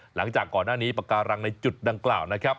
หลังจากก่อนหน้านี้ปากการังในจุดดังกล่าวนะครับ